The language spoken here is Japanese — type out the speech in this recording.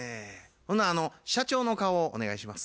ほな社長の顔をお願いします。